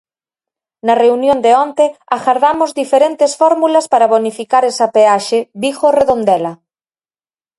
Na reunión de onte agardamos diferentes fórmulas para bonificar esa peaxe Vigo-Redondela.